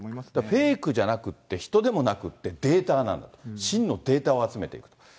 フェイクじゃなくって、人でもなくって、データなの、真相データを集めている。